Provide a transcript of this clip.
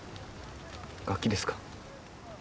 楽器ですか？